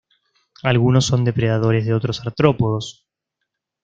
Algunos son depredadores de otros artrópodos.